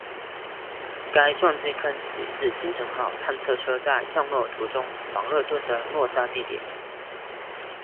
该撞击坑也是精神号探测车在降落途中防热盾的落下地点。